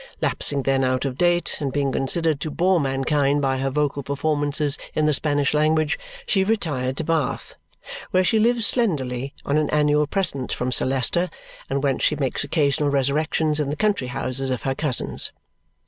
Lapsing then out of date and being considered to bore mankind by her vocal performances in the Spanish language, she retired to Bath, where she lives slenderly on an annual present from Sir Leicester and whence she makes occasional resurrections in the country houses of her cousins.